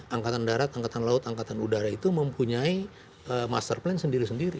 angkatan darat angkatan laut angkatan udara itu mempunyai master plan sendiri sendiri